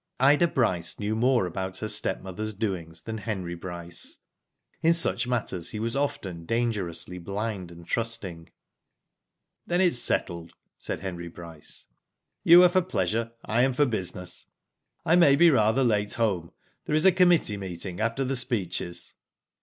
Ida Bryce knew more about her stepmother's doings than Henry Bryce. In such matters he was often dangerously blind and trusting. Then it's settled," said Henry Bryce. "You are for pleasure, I am for business. I may be rather late home, there is a committee meeting after the speeches."